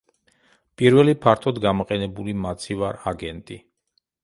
პირველი ფართოდ გამოყენებული მაცივარ აგენტი.